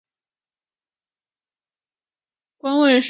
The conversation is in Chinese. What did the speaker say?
官位是修理大夫。